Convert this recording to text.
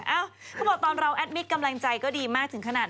เขาบอกตอนเราแอดมิตรกำลังใจก็ดีมากถึงขนาด